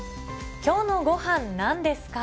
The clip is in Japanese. きょうのご飯なんですか？